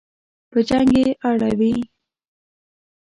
په جنګ یې اړوي.